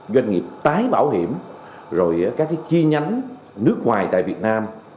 doanh nghiệp tái bảo hiểm rồi các chi nhánh nước ngoài tại việt nam